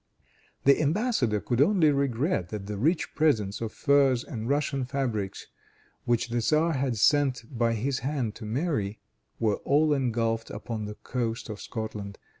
The embassador could only regret that the rich presents of furs and Russian fabrics which the tzar had sent by his hand to Mary, were all engulfed upon the coast of Scotland.